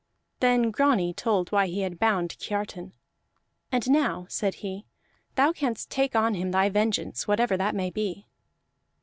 Then Grani told why he had bound Kiartan. "And now," said he, "thou canst take on him thy vengeance, whatever that may be."